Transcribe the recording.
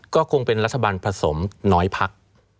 ก็คงเป็นรัฐบาลผสมน้อยพัก